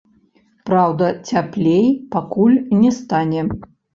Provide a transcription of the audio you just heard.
Праўда, цяплей пакуль не стане.